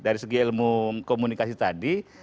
dari segi ilmu komunikasi tadi